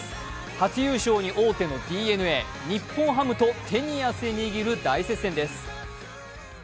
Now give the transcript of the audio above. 初優勝に王手のＤｅＮＡ日本ハムと手に汗握る大接戦です。